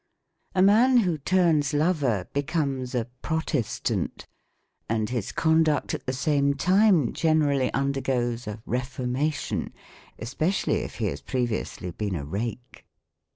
A man who turns lover becomes a protest ant; and his conduct at the same time generally undergoes a reforination, especially if he has previously been a rake.